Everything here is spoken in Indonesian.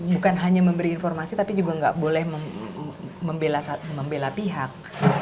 bukan hanya memberi informasi tapi juga nggak boleh membela pihak